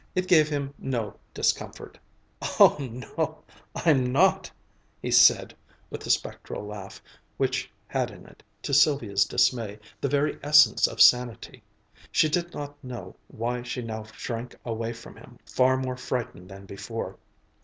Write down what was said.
It gave him no discomfort. "Oh no, I'm not," he said with a spectral laugh, which had in it, to Sylvia's dismay, the very essence of sanity. She did not know why she now shrank away from him, far more frightened than before.